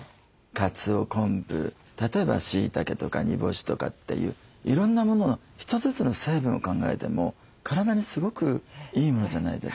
かつお昆布例えばしいたけとか煮干しとかっていういろんなもの１つずつの成分を考えても体にすごくいいものじゃないですか。